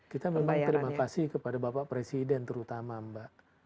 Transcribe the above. kita memang terima kasih kepada bapak presiden terutama mbak